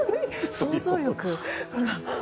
想像力。